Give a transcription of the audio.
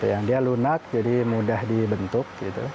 yang dia lunak jadi mudah dibentuk